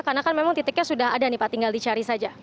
karena kan memang titiknya sudah ada nih pak tinggal dicari saja